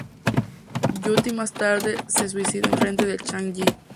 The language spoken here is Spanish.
Yu Ti más tarde se suicida en frente de Chang Yi.